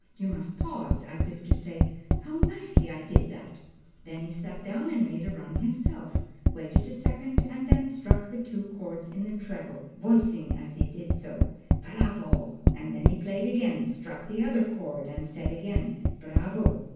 You must pause, as if to say, 'How nicely I did that!'" Then he sat down and made a run himself, waited a second, and then struck the two chords in the treble, saying as he did so, "Bravo!" and then he played again, struck the other chord and said again, "Bravo!"